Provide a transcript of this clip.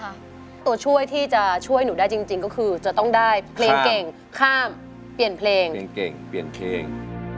ถ้าตัวช่วยที่จะช่วยหนูได้จริงก็คือจะต้องได้เพลงเก่งข้ามเปลี่ยนเพลง